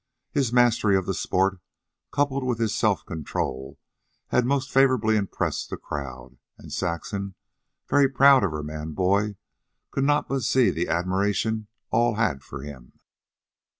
His mastery of the sport, coupled with his self control, had most favorably impressed the crowd, and Saxon, very proud of her man boy, could not but see the admiration all had for him.